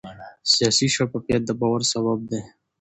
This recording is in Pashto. سیاسي شفافیت د باور سبب دی